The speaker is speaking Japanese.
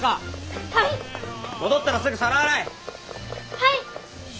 はい！